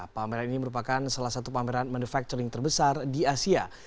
pameran ini merupakan salah satu pameran manufacturing terbesar di asia